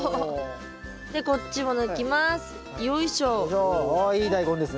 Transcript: でこっちも抜きます。